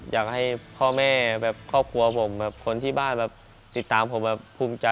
อยากให้พ่อแม่ครอบครัวผมคนที่บ้านติดตามผมพูดใจ